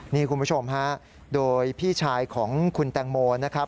นี่คุณผู้ชมฮะโดยพี่ชายของคุณแตงโมนะครับ